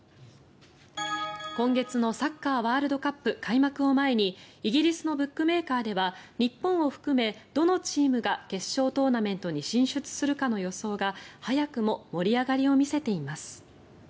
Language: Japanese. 今月のサッカーワールドカップ開幕を前にイギリスのブックメーカーでは日本を含めどのチームが決勝トーナメントに進出するかの予想が早くも盛り上がりを見せています。